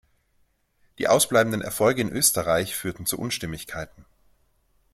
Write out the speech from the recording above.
Die ausbleibenden Erfolge in Österreich führten zu Unstimmigkeiten.